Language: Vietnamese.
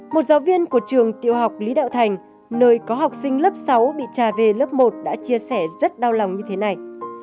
một giáo viên của trường tiểu học lý đạo thành nơi có học sinh lớp sáu bị trà về lớp một đã chia sẻ rất đau lòng như thế này